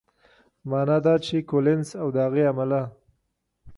معنا دا چې کولینز او د هغې عمله